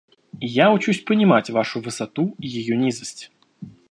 И я учусь понимать вашу высоту и ее низость.